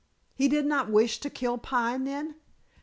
"He did not wish to kill Pine, then?"